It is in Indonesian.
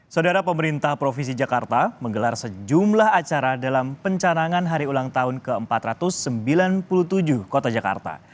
saudara pemerintah provinsi jakarta menggelar sejumlah acara dalam pencanangan hari ulang tahun ke empat ratus sembilan puluh tujuh kota jakarta